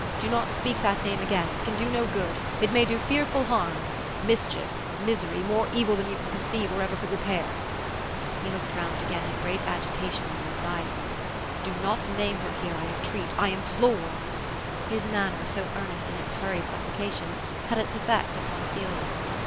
Do not speak that name again — it can do no good — it may do fearful harm. Mischief — misery — more evil than you can conceive, or could ever repair." He looked round again, in great agitation and anxiety. '* Do no^ name her here, I entreat, I implore " His manner, so earnest in its hurried supplication, had its effect upon Ophelia.